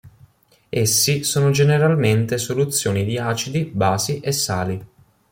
Essi sono generalmente soluzioni di acidi, basi e sali.